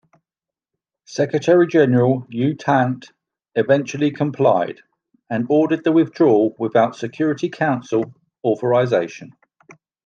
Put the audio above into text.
Secretary-General U Thant eventually complied and ordered the withdrawal without Security Council authorisation.